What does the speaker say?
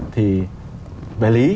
thì bẻ lý